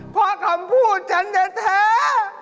เพราะคำพูดฉันแท้